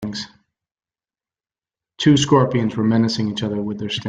Two scorpions were menacing each other with their stings.